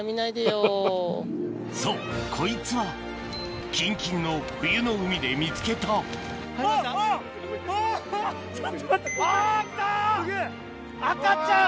そうこいつはキンキンの冬の海で見つけた赤ちゃん！